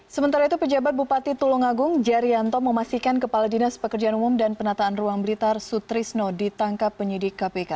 sementara itu pejabat bupati tulungagung jarianto memastikan kepala dinas pekerjaan umum dan penataan ruang blitar sutrisno ditangkap penyidik kpk